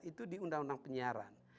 itu di undang undang penyiaran